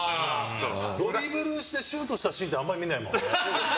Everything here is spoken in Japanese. ドリブルしてシュートしたシーンってあんまり見ないもん。